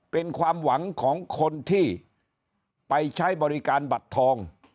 เป็นความหวังของคนที่ไปใช้บริการบัตรทอง